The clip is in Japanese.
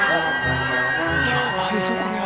やばいぞこりゃ。